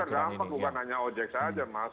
iya semua terdampak bukan hanya ojek saja mas